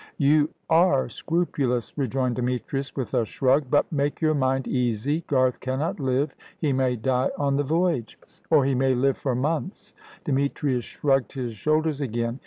"You are scrupulous," rejoined Demetrius, with a shrug. "But make your mind easy. Garth cannot live he may die on the voyage "Or he may live for months." Demetrius shrugged his shoulders again.